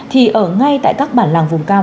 thì ở ngay tại các bản làng vùng cao